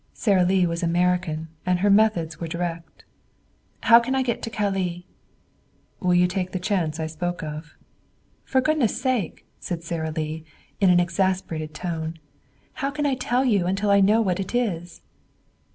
Sara Lee was American and her methods were direct. "How can I get to Calais?" "Will you take the chance I spoke of?" "For goodness' sake," said Sara Lee in an exasperated tone, "how can I tell you until I know what it is?"